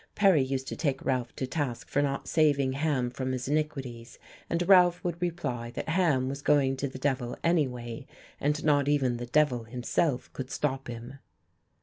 Perry used to take Ralph to task for not saving Ham from his iniquities, and Ralph would reply that Ham was going to the devil anyway, and not even the devil himself could stop him.